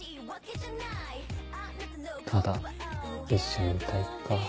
「ただ一緒にいたい」か。